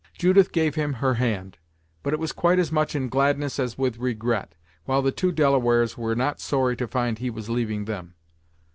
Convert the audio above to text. Judith gave him her hand, but it was quite as much in gladness as with regret, while the two Delawares were not sorry to find he was leaving them.